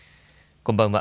こんばんは。